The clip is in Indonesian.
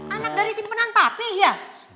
anak dari simpenan papih ya